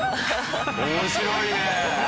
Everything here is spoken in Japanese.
面白いね。